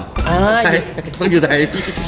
ใช่ต้องอยู่ไหน